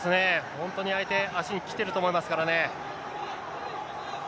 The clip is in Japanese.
本当に相手、足にきてると思いますからね。